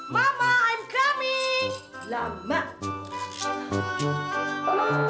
mama kan tak mau kehormatan